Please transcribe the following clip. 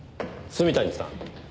炭谷さん。